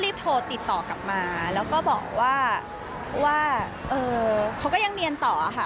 รีบโทรติดต่อกลับมาแล้วก็บอกว่าว่าเขาก็ยังเรียนต่อค่ะ